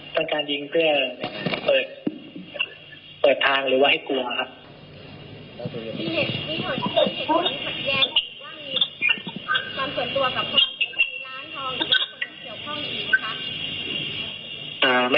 เป็นการยิงเพื่อเปิดทางหรือว่าให้กลัวครับ